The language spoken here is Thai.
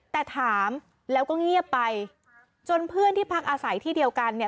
แต่ถามแล้วก็เงียบไปจนเพื่อนที่พักอาศัยที่เดียวกันเนี่ย